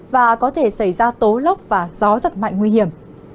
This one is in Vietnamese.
và có thể xảy ra tố lốc và gió giật mạnh nguy hiểm